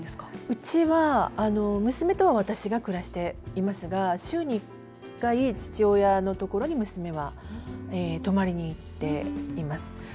うちは娘とは私が暮らしていますが週に１回、父親のところに娘は泊まりに行っています。